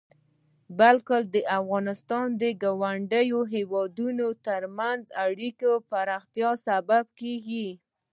بلکې د افغانستان او ګاونډيو هيوادونو ترمنځ د اړيکو د پراختيا سبب کيږي.